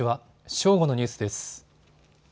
正午のニュースです。